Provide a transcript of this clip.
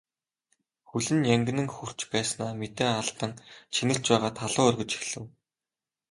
Хөл нь янгинан хөрч байснаа мэдээ алдан чинэрч байгаад халуу оргиж эхлэв.